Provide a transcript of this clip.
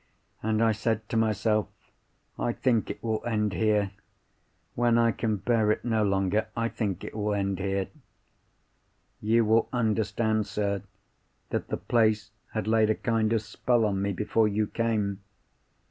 And I said to myself, 'I think it will end here. When I can bear it no longer, I think it will end here.' You will understand, sir, that the place had laid a kind of spell on me before you came.